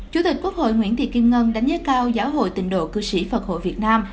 chủ tịch quốc hội nguyễn thị kim ngân đánh giá cao giáo hội tình độ cư sĩ phật hội việt nam